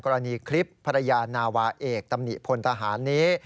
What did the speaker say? กรณีคลิปภรรยานาวาเอกตำหนิพลทหารนี้